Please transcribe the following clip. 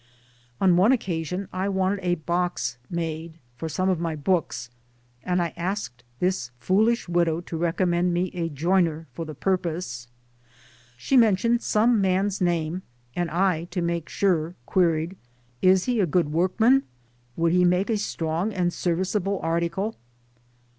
On one occa sion I wanted a box made for some of my books and I asked this foolish widow to recommend me a joiner for the purpose. She mentioned some man's name ; and I, to make sure, queried 1 : "Is he a good workman? would he make a strong and service able article?